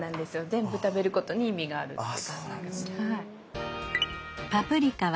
全部食べることに意味があるっていう。